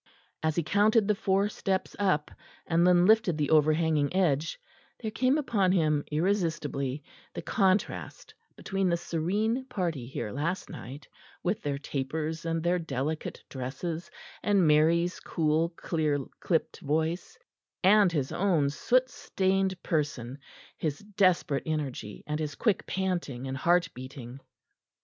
As he counted the four steps up, and then lifted the overhanging edge, there came upon him irresistibly the contrast between the serene party here last night, with their tapers and their delicate dresses and Mary's cool clear clipped voice and his own soot stained person, his desperate energy and his quick panting and heart beating.